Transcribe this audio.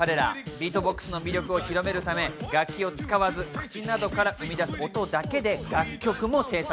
ビートボックスの魅力を広めるため、楽器を使わず口などから生み出す音だけで楽曲も制作。